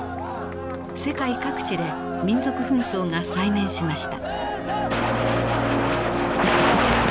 世界各地で民族紛争が再燃しました。